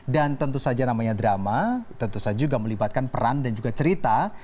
dan tentu saja namanya drama tentu saja juga melibatkan peran dan juga cerita